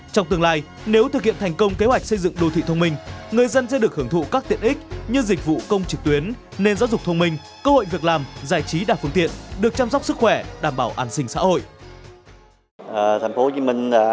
trong tương lai nếu thực hiện thành công kế hoạch xây dựng đô thị thông minh người dân sẽ được hưởng thụ các tiện ích như dịch vụ công trực tuyến nền giáo dục thông minh cơ hội việc làm giải trí đa phương tiện được chăm sóc sức khỏe đảm bảo an sinh xã hội